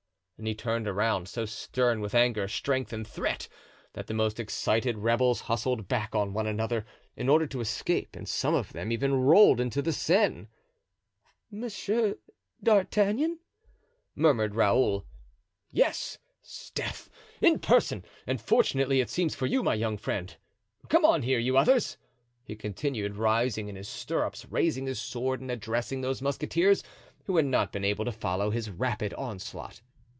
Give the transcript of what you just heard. And he turned around, so stern with anger, strength and threat, that the most excited rebels hustled back on one another, in order to escape, and some of them even rolled into the Seine. "Monsieur d'Artagnan!" murmured Raoul. "Yes, 'sdeath! in person, and fortunately it seems for you, my young friend. Come on, here, you others," he continued, rising in his stirrups, raising his sword, and addressing those musketeers who had not been able to follow his rapid onslaught.